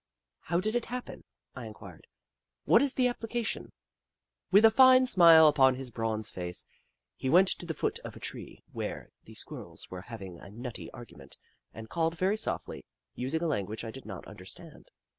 " How did it happen ?" I inquired. " What is the application ?" With a fine smile upon his bronze face, he went to the foot of a tree, where the Squirrels were having a nutty argument, and called very softly, using a language I did not under stand.